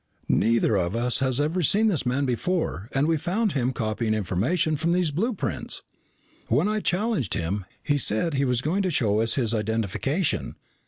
Neither of us has ever seen this man before and we found him copying information from these blueprints. When I challenged him, he said he was going to show us his identification.